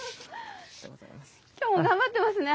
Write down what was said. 今日も頑張ってますね。